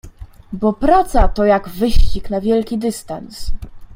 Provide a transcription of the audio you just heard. "Bo praca, to jak wyścig na wielki dystans."